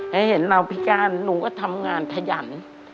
เหลือเห็นเราพิการลุงก็ทำงานทะหยั่น